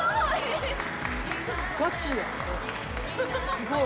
すごい！